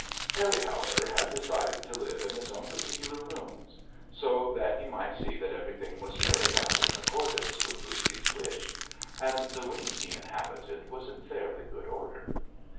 Harry, however, had decided to live in his own particular rooms, so that he might see that everything was carried out in accordance with Lucy's wish, and the wing he inhabited was in fairly good order.